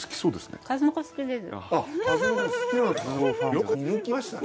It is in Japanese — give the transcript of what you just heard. よく見抜きましたね。